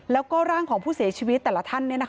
แล้วก็ร่างของผู้เสียชีวิตแต่ละท่าน